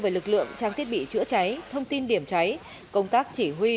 về lực lượng trang thiết bị chữa cháy thông tin điểm cháy công tác chỉ huy